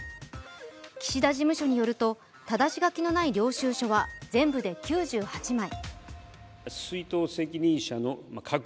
岸田事務所によると、ただし書きのない領収書は全部で９８枚。